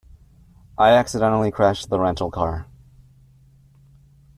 I accidentally crashed the rental car.